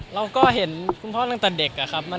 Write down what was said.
เราก็เห็นพ่อกับพ่อกรตระเด็กอะครับ